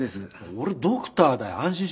俺ドクターだよ安心しろよ。